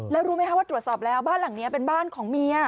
แล้วรู้ไหมคะว่าตรวจสอบแล้วบ้านหลังนี้เป็นบ้านของเมีย